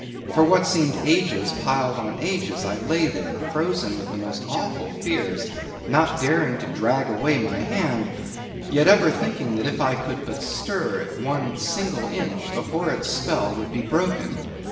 For what seemed ages piled on ages, I lay there, frozen with the most awful fears, not daring to drag away my hand; yet ever thinking that if I could but stir it one single inch, the horrid spell would be broken.